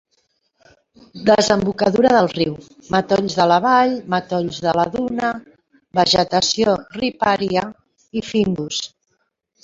Desembocadura del riu: matolls de la vall, matolls de la duna, vegetació ripària i fynbos.